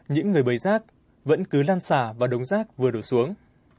những người bầy rác vẫn cứ lan xả và đống rác vừa đổ xuống